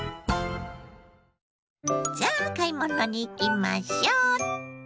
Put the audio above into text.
さあ買い物に行きましょう！